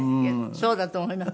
そうだと思います。